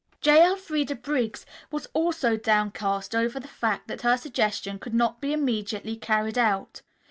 J. Elfreda Briggs was also downcast over the fact that her suggestion could not be immediately carried out.